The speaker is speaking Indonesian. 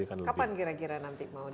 kapan kira kira nanti mau dikampung